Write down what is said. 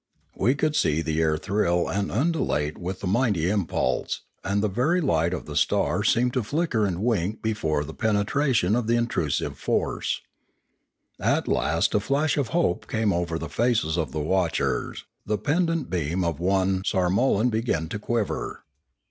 We could see the air thrill and undulate with the mighty impulse, and the very light of the star seemed to flicker and wink before the penetration of the intrusive force. At last a flash of hope came over the faces of the watchers; the pendent beam of one sarmolan began to quiver.